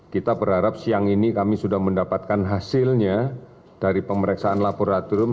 kita berharap siang ini kami sudah mendapatkan hasilnya dari pemeriksaan laboratorium